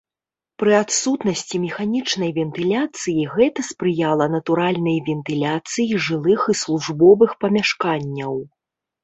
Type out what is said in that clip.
Пры адсутнасці механічнай вентыляцыі гэта спрыяла натуральнай вентыляцыі жылых і службовых памяшканняў.